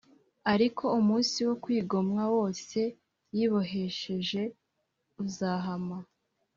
Ariko umunsi wo kwigomwa wose yibohesheje uzahama